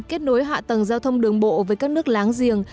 kết nối hạ tầng giao thông đường bộ với các nước láng giềng